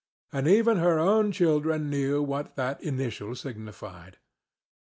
And even her own children knew what that initial signified.